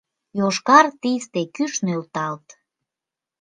Йошкар тисте, кӱш нӧлталт